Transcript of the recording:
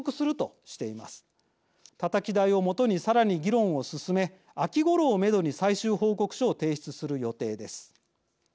たたき台をもとにさらに議論を進め秋ごろをめどに最終報告書を提出する予定です。